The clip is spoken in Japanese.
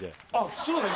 そうね。